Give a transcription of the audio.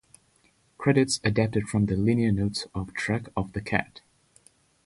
Credits adapted from the liner notes of "Track of the Cat".